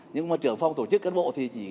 nhưng mà trưởng phòng tổ chức cán bộ thì chỉ